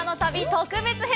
特別編。